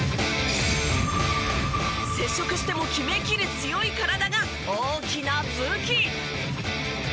接触しても決めきる強い体が大きな武器！